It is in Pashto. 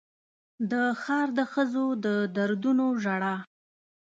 د ښار د ښځو د دردونو ژړا